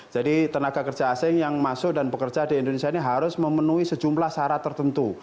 jadi tenaga kerja asing yang masuk dan bekerja di indonesia ini harus memenuhi sejumlah syarat tertentu